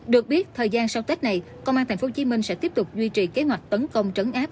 được biết thời gian sau tết này công an tp hcm sẽ tiếp tục duy trì kế hoạch tấn công trấn áp